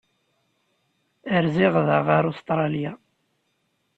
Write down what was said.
Rziɣ daɣ ɣef Ustṛalya.